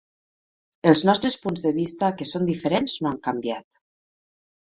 Els nostres punts de vista que són diferents no han canviat.